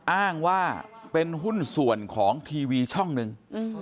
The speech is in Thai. อ้างว่าเป็นหุ้นส่วนของทีวีช่องหนึ่ง